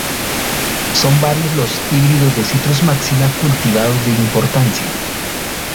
Son varios los híbridos de "Citrus maxima" cultivados de importancia.